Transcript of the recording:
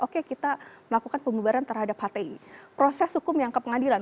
oke kita melakukan pembubaran terhadap hti proses hukum yang ke pengadilan